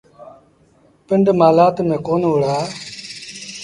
پنڊ مهلآت ميݩ ڪون وهُڙآ